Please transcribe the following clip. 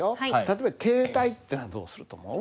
例えば「携帯」ってのはどうすると思う？